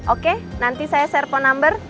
oke nanti saya share phone number